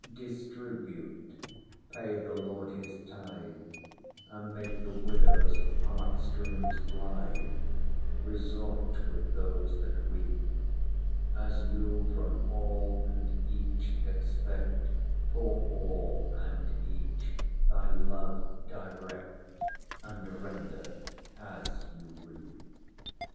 Distribute; pay the Lord His tithe, And make the widow's heart strings blithe; Resort with those that weep:As you from all and each expect, For all and each thy love direct, And render as you reap.